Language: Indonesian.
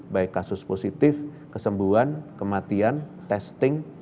baik kasus positif kesembuhan kematian testing